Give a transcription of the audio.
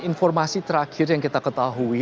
informasi terakhir yang kita ketahui